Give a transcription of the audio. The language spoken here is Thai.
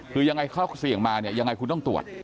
คือยังไงเขาเสี่ยงมาเนี่ยยังไงคุณต้องตรวจ